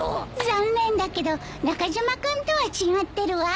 残念だけど中島君とは違ってるわ。